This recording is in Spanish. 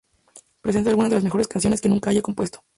Presenta algunas de las mejores canciones que nunca haya compuesto.